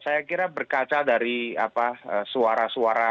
saya kira berkaca dari suara suara